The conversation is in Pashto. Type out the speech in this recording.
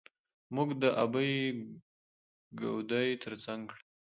موږ د ابۍ ګودى تر څنګ کړه.